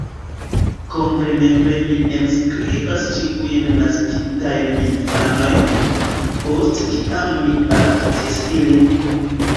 Kompreneble mi enskribas ĉiujn naskitajn infanojn, post kiam mi baptis ilin.